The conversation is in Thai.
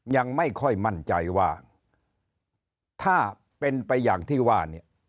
ยังไม่ค่อยมั่นใจว่าถ้าเป็นไปอย่างที่ว่าเนี่ย